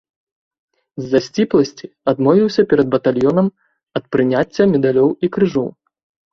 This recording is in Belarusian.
З-за сціпласці адмовіўся перад батальёнам ад прыняцця медалёў і крыжоў.